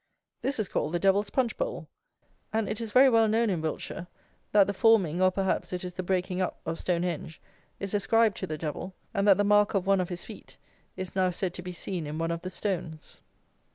This is called the "Devil's Punch Bowl;" and it is very well known in Wiltshire, that the forming, or, perhaps, it is the breaking up, of Stonehenge is ascribed to the Devil, and that the mark of one of his feet is now said to be seen in one of the stones.